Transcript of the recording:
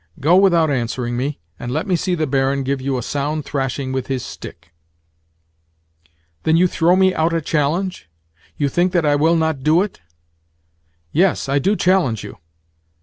Go without answering me, and let me see the Baron give you a sound thrashing with his stick." "Then you throw me out a challenge?—you think that I will not do it?" "Yes, I do challenge you.